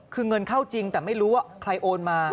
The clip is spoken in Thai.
คือเงินเข้าจริงแต่ไม่รู้ว่าใครโอนมา